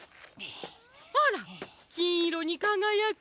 あらきんいろにかがやく。